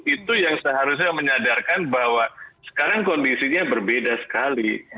itu yang seharusnya menyadarkan bahwa sekarang kondisinya berbeda sekali